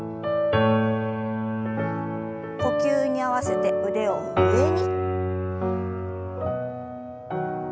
呼吸に合わせて腕を上に。